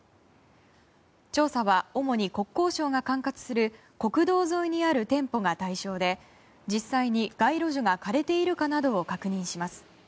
調査は主に国交省が管轄する国道沿いにある店舗が対象で実際に街路樹が枯れているかなどを確認します。